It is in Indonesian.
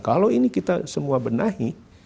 kalau ini kita semua benahi